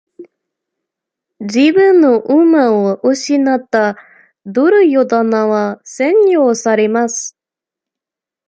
自分の馬を失ったドゥルヨーダナは、戦場を去ります。